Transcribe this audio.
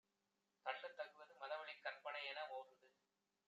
தள்ளத்தகுவது மதவழிக் கற்பனையென ஓர்ந்து